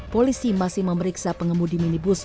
polisi masih memeriksa pengemudi minibus